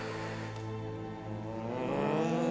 うん。